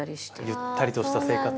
「ゆったりとした生活」